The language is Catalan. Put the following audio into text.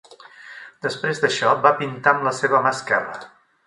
Després d'això, va pintar amb la seva mà esquerra.